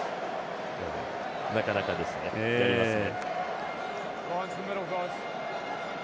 なかなかですね、やりますね。